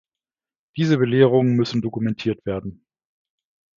Diese Belehrungen müssen dokumentiert werden.